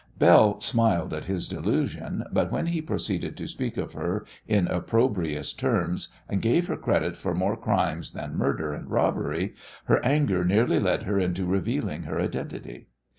Belle smiled at his delusion, but when he proceeded to speak of her in opprobrious terms and gave her credit for more crimes than murder and robbery her anger nearly led her into revealing her identity.